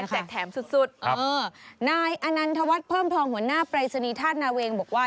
คนแรกแจกแถมสุดสุดครับเออนายอันนันทวัฒน์เพิ่มทองหัวหน้าเปรสนียธาตุนาเวงบอกว่า